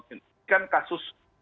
ini kan kasus